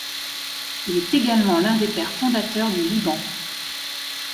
Il est également l'un des pères fondateurs du Liban.